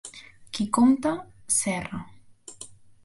Qui compta, s'erra.